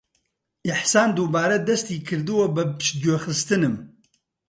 ئیحسان دووبارە دەستی کردووە بە پشتگوێخستنم.